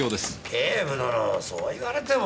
警部殿そう言われても。